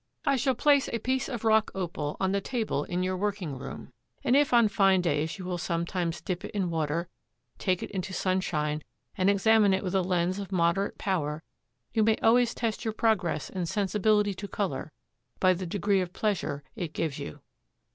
I shall place a piece of rock opal on the table in your working room; and if on fine days you will sometimes dip it in water, take it into sunshine and examine it with a lens of moderate power, you may always test your progress in sensibility to color by the degree of pleasure it gives you."